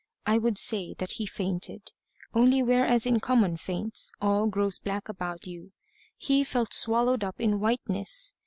I would say that he fainted only whereas in common faints all grows black about you, he felt swallowed up in whiteness.